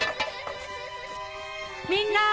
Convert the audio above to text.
みんな！